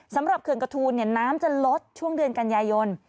เขื่อนกระทูลน้ำจะลดช่วงเดือนกันยายน